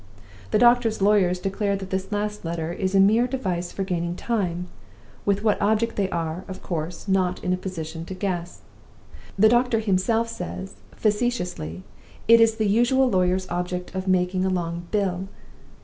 The doctor's lawyers declare that this last letter is a mere device for gaining time with what object they are, of course, not in a position to guess. The doctor himself says, facetiously, it is the usual lawyer's object of making a long bill.